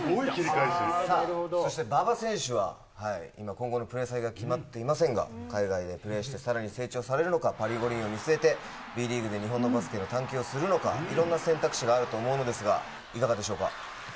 そして馬場選手は今、今後のプレー先が決まっていませんが、海外でプレーしてさらに成長されるのか、パリ五輪を見据えてＢリーグで日本のバスケを探求するのか、いろんな選択肢があると思うんですが、いかがでしょうか。